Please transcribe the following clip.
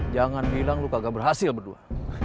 jangan bilang lu kagak berhasil berdua